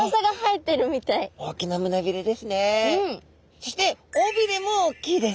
そして尾びれも大きいです。